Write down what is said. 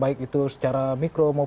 baik itu secara mikro maupun ekonomi